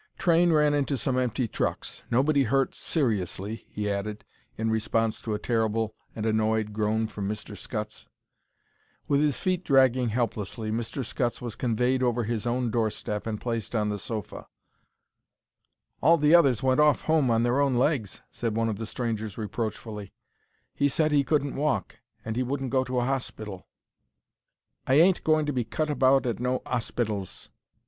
"Train ran into some empty trucks. Nobody hurt—seriously," he added, in response to a terrible and annoyed groan from Mr. Scutts. With his feet dragging helplessly, Mr. Scutts was conveyed over his own doorstep and placed on the sofa. "All the others went off home on their own legs," said one of the strangers, reproachfully. "He said he couldn't walk, and he wouldn't go to a hospital." "Wanted to die at home," declared the sufferer. "I ain't going to be cut about at no 'ospitals."